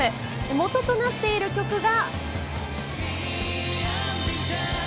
もととなっている曲が。